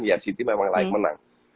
ya city memang laik menang